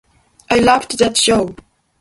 I loved that show.